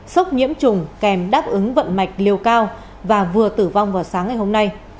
sốc nhiễm trùng kèm đáp ứng vận mạch liều cao và vừa tử vong vào sáng ngày hôm nay